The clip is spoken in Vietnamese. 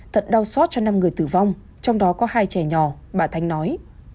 thật đau xót cho năm người tử vong trong đó có hai trẻ nhỏ bà thanh nói